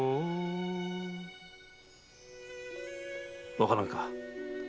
わからぬか？